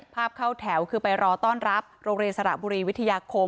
เข้าแถวคือไปรอต้อนรับโรงเรียนสระบุรีวิทยาคม